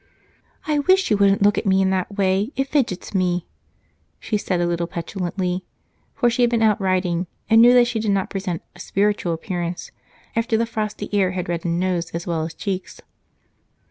"I wish you wouldn't look at me in that way it fidgets me," she said a little petulantly, for she had been out riding, and knew that she did not present a "spiritual" appearance after the frosty air had reddened nose as well as cheeks.